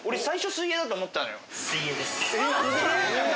水泳です。